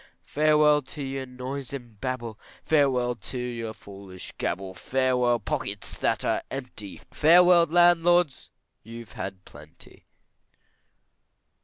Farewell to your noise and babble, Farewell to your foolish gabble, Farewell pockets that are empty, Farewell landlords, you've had plenty.